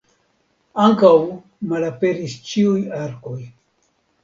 Ankaŭ malaperis ĉiuj arkoj.